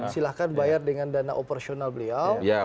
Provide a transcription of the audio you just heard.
silahkan bayar dengan dana operasional beliau